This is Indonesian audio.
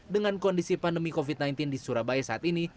dengan kondisi pandemi covid sembilan belas di surabaya saat ini